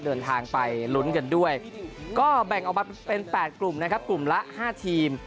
เดินทางไปลุ้นกันด้วยก็แบ่งออกมาเป็น๘กลุ่มนะครับกลุ่มละ๕ทีม